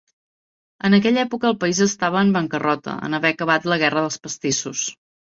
En aquella època el país estava en bancarrota, en haver acabat la Guerra dels Pastissos.